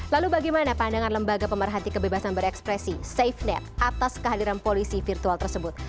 lalu bagaimana pandangan lembaga pemerhati kebebasan berekspresi safenet atas kehadiran polisi virtual tersebut